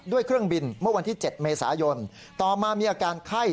เครื่องบินเมื่อวันที่๗เมษายนต่อมามีอาการไข้